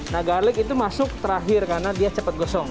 nah garlic itu masuk terakhir karena dia cepat gosong